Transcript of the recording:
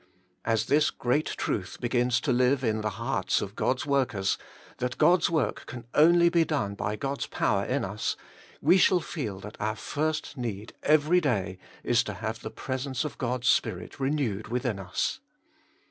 As this great truth begins to live in the hearts of God's workers, that God's work can only be done by God's power in us, we shall feel that our first need every day is to have the presence of God's Spirit renewed within us.